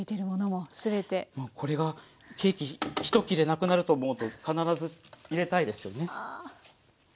もうこれがケーキ１切れなくなると思うと必ず入れたいですよね。